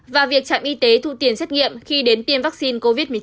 và việc trạm y tế thu tiền xét nghiệm khi đến tiêm vaccine covid một mươi chín